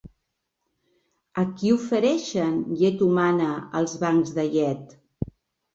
A qui ofereixen llet humana els bancs de llet?